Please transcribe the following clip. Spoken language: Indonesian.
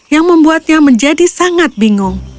yang membuatnya menjadi sangat bingung